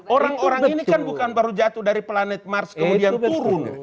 orang orang ini kan bukan baru jatuh dari planet mars kemudian turun